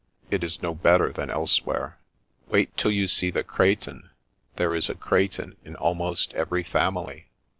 It is no better than elsewhere. Wait till you see the critins; there is a critin in almost every family.